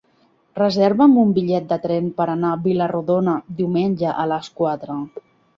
Reserva'm un bitllet de tren per anar a Vila-rodona diumenge a les quatre.